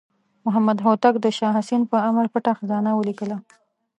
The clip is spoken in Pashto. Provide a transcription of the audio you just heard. محمد هوتک د شاه حسین په امر پټه خزانه ولیکله.